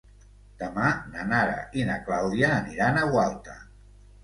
Demà na Nara i na Clàudia aniran a Gualta.